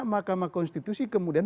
mahkamah konstitusi kemudian